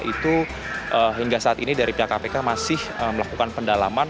itu hingga saat ini dari pihak kpk masih melakukan pendalaman